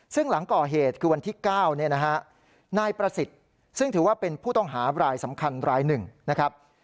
ซึ่งหลังก่อเหตุคือวันที่๙เนี่ยนะฮะนายประสิทธิ์ซึ่งถือว่าเป็นผู้ต้องหารายสำคัญรายหนึ่งนะครับ